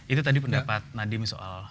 itu tadi pendapat nadiem soal